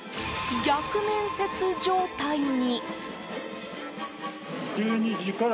逆面接状態に。